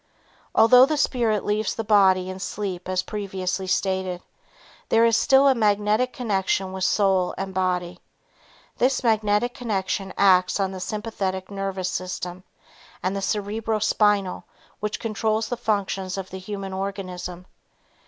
Although the spirit leaves the body in sleep as previously stated, there is still a magnetic connection with soul and body. This magnetic connection acts on the sympathetic nervous system and the cerebro spinal which controls the functions of the human organism.